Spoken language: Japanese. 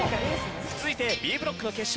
続いてＢブロックの決勝。